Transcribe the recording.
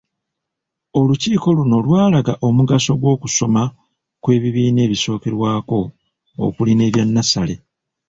Olukiiko luno lwalaga omugaso gw’okusoma kw’ebibiina ebisookerwako okuli n’ebya nnassale.